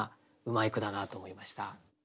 うまい句だなと思いました。